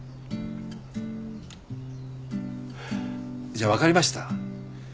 じゃあ分かりました。